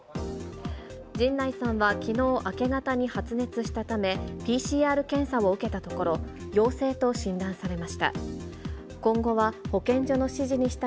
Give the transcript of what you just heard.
陣内さんは、きのう明け方に発熱したため、ＰＣＲ検査を受けたところ、陽性と診断されました。